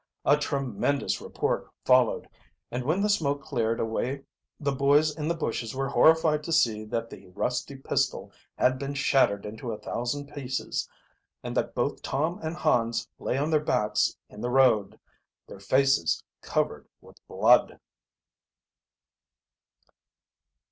A tremendous report followed, and when the smoke cleared away the boys in the bushes were horrified to see that the rusty pistol had been shattered into a thousand pieces and that both Tom and Hans lay on their backs in the road, their faces covered with blood.